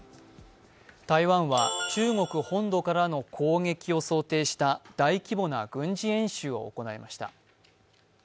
台湾は中国本土からの攻撃を想定した大規模な軍事演習を行いました。